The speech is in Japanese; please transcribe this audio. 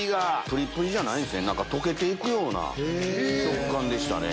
プリプリじゃないですね溶けて行くような食感でしたね。